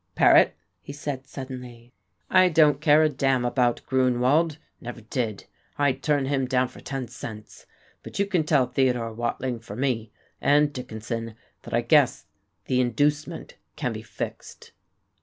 "Paret," he said suddenly, "I don't care a damn about Grunewald never did. I'd turn him down for ten cents. But you can tell Theodore Watling for me, and Dickinson, that I guess the 'inducement' can be fixed."